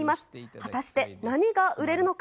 果たして何が売れるのか。